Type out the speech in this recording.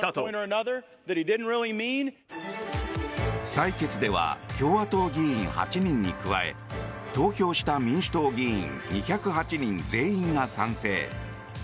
採決では共和党議員８人に加え投票した民主党議員２０８人全員が賛成。